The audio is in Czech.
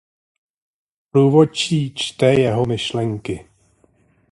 Průvodčí čte jeho myšlenky.